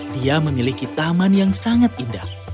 dia memiliki taman yang sangat indah